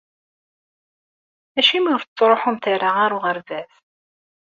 Acimi ur tettṛuḥumt ara ɣer uɣerbaz?